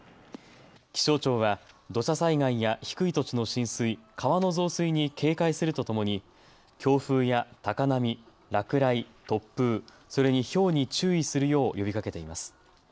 気象庁は土砂災害や低い土地の浸水、川の増水に警戒するとともに強風や高波、落雷、突風、それにひょうに注意するよう呼びかけています。